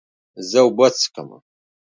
زه اوبه څښم